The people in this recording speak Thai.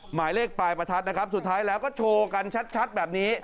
หมายเลขปลายประทัดนะครับสุดท้ายแล้วก็โชว์กันชัดแบบนี้